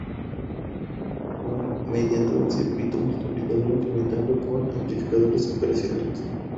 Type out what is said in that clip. O mediante un circuito multiplicador implementando con amplificadores operacionales.